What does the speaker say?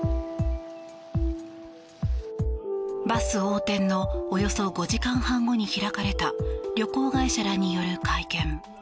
バス横転のおよそ５時間半後に開かれた旅行会社らによる会見。